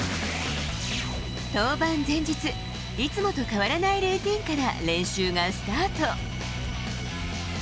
登板前日、いつもと変わらないルーティーンから練習がスタート。